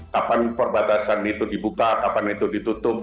kapan perbatasan itu dibuka kapan itu ditutup